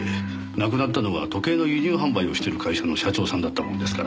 亡くなったのが時計の輸入販売をしてる会社の社長さんだったもんですから。